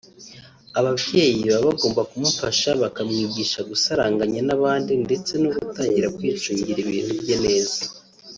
Ababyeyi baba bagomba kumufasha bakamwigisha gusaranganya n’abandi ndetse no gutangira kwicungira ibintu bye neza